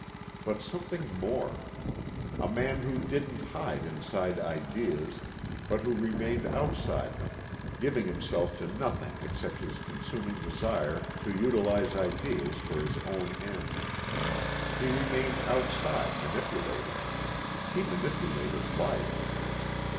But something more. A man who didn't hide inside ideas but who remained outside them, giving himself to nothing except his consuming desire to utilize ideas for his own end. He remained outside manipulating. He manipulated life.